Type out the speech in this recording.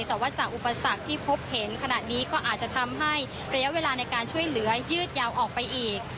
แต่ว่าจากอุปสรรคที่พบเห็นขณะนี้ก็อาจจะทำให้ระยะเวลาในการช่วยเหลือยืดยาวออกไปอีก